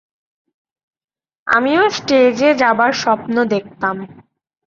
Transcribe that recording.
আমিও স্টেজে যাবার স্বপ্ন দেখতাম।